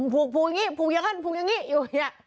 ผูกอย่างนี้ผูกอย่างนั้นผูกอย่างนี้อยู่อย่างนี้